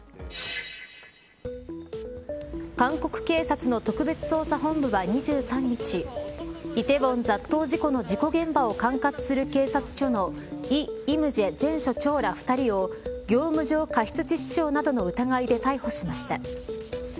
韓国警察の特別捜査本部は２３日梨泰院雑踏事故の事故現場を管轄する警察署の李林宰前署長ら２人を業務上過失致死傷などの疑いで逮捕しました。